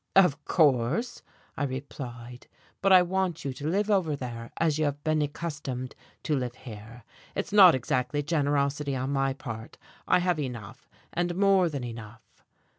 "Of course," I replied. "But I want you to live over there as you have been accustomed to live here. It's not exactly generosity on my part, I have enough, and more than enough."